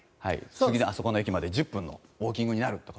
あそこの駅まで１０分のウォーキングになるとか。